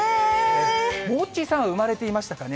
モッチーさんは生まれていましたかね。